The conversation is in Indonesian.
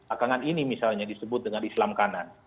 akanan ini misalnya disebut dengan islam kanan